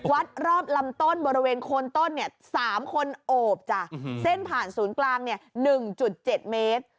วัดรอบลำต้นบริเวณโคนต้น๓คนโอบจ้ะเส้นผ่านศูนย์กลาง๑๗เมตร